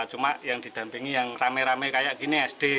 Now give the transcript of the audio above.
cuma yang didampingi yang rame rame kayak gini sd